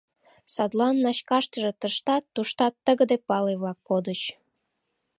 Садлан начкаштыже тыштат-туштат тыгыде пале-влак кодыч.